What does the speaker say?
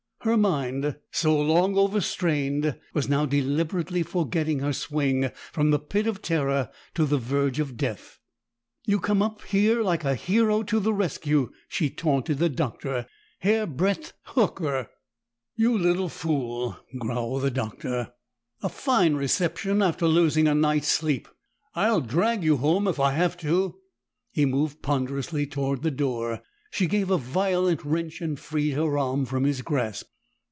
Her mind, so long overstrained, was now deliberately forgetting her swing from the pit of terror to the verge of death. "You come up like a hero to the rescue!" she taunted the doctor. "Hairbreadth Horker!" "You little fool!" growled the Doctor. "A fine reception, after losing a night's sleep! I'll drag you home, if I have to!" He moved ponderously toward the door; she gave a violent wrench and freed her arm from his grasp.